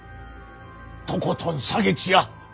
とことん下げちや！